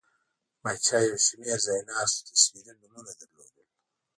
پاچا یو شمېر ځایناستو تصویري نومونه لرل.